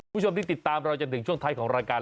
คุณผู้ชมที่ติดตามเราจนถึงช่วงท้ายของรายการ